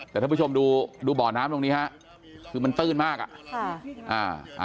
แต่ท่านผู้ชมดูบ่อน้ำตรงนี้ฮะคือมันตื้นมากอ่ะค่ะอ่า